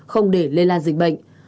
không để lây lan dịch bệnh